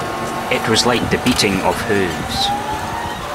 It was like the beating of hoofs.